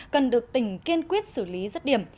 cần được tỉnh kiên quyết xử lý rất điểm